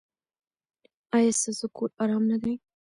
ایا ستاسو کور ارام نه دی؟